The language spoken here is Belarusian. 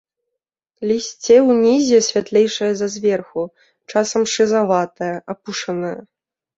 Лісце ўнізе святлейшае за зверху, часам шызаватае, апушанае.